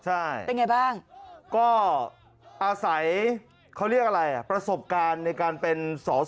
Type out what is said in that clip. ใช่เป็นไงบ้างก็อาศัยเขาเรียกอะไรอ่ะประสบการณ์ในการเป็นสอสอ